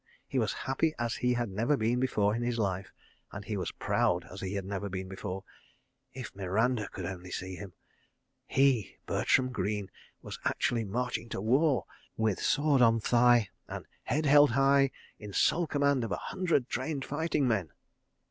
He was happy as he had never been before in his life, and he was proud as he never had been before. ... If Miranda could only see him! He, Bertram Greene, was actually marching to war, with sword on thigh, and head held high, in sole command of a hundred trained fighting men!